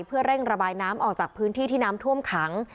เพื่อเร่งระบายน้ำออกจากพื้นที่ที่น้ำท่วมขัง